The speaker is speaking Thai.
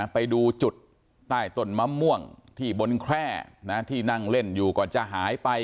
ไปดูจุดใต้ต้นมะม่วงที่บนแคร่ที่นั่งเล่นอยู่ก่อนจะหายไป